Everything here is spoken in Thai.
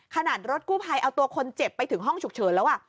รถกู้ภัยเอาตัวคนเจ็บไปถึงห้องฉุกเฉินแล้ว